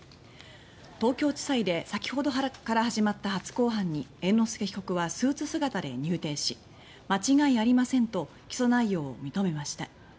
東京地裁で先ほどから始まった初公判に猿之助被告はスーツ姿で入廷し間違いありませんと起訴内容を認めました。